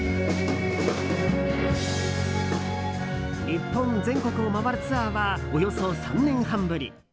日本全国を回るツアーはおよそ３年半ぶり。